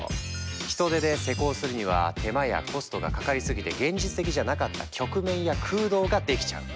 人手で施工するには手間やコストがかかりすぎて現実的じゃなかった曲面や空洞ができちゃう。